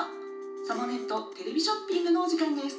『サボネットテレビショッピング』のおじかんです」。